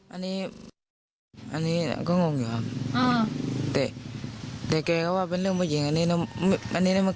อันนี้ก็งงอยู่ครับแต่แกว่าเป็นเรื่องผู้หญิงอันนี้มัน